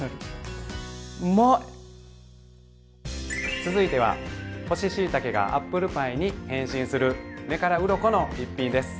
続いては干ししいたけがアップルパイに変身する目からうろこの一品です。